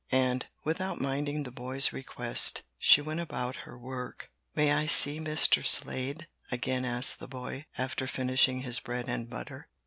And, without minding the boy's request, she went about her work. "May I see Mr. Slade?" again asked the boy, after finishing his bread and butter.